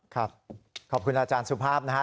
ขอบคุณอาจารย์สุภาพนะครับ